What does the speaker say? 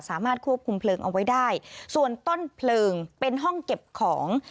สามารถควบคุมเพลิงเอาไว้ได้ส่วนต้นเพลิงเป็นห้องเก็บของ